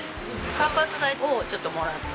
間伐材をちょっともらって。